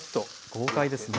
豪快ですね。